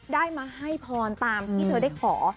ได้มาให้พรตามที่เธอได้ขอ